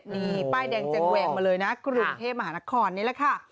นี่ป้ายแดงแจงแหวงมาเลยนะกรุงเทพมหานครนี่แหละค่ะ